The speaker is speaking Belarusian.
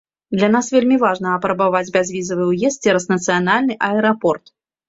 Для нас вельмі важна апрабаваць бязвізавы ўезд цераз нацыянальны аэрапорт.